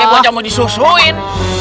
ini boca mau disusuin